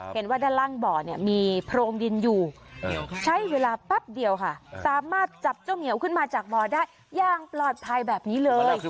เห็นว่าด้านล่างบ่อเนี่ยมีโพรงดินอยู่ใช้เวลาแป๊บเดียวค่ะสามารถจับเจ้าเหมียวขึ้นมาจากบ่อได้อย่างปลอดภัยแบบนี้เลย